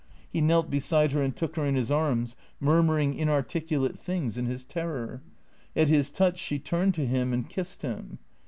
He knelt beside her and took her in his arms, murmuring inarticu late things in his terror. At his touch she turned to him and kissed him.